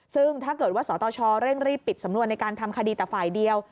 ซึ่งถ้าเกิดว่าสตชเร่งรีบปิดสำนวนในการทำคดีแต่ฝ่ายเดียว